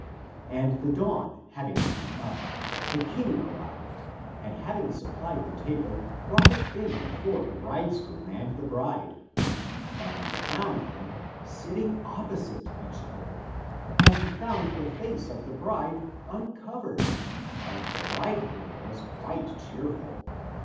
And the dawn having come on, the King arrived, and hav ing supplied the table, brought it in before the bridegroom and the bride. And he found them sitting opposite each other, and he found the face of the bride uncovered, and the bridegroom was quite cheerful.